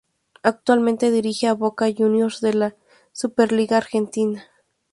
Actualmente dirige a Boca Juniors de la Superliga Argentina.